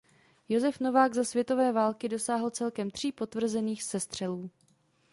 Josef Novák za světové války dosáhl celkem tří potvrzených sestřelů.